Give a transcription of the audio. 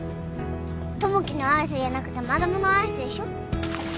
友樹のアイスじゃなくてマルモのアイスでしょ？